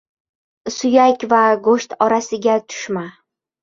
• Suyak va go‘sht orasiga tushma.